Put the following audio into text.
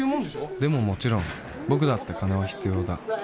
でももちろん僕だって金は必要だ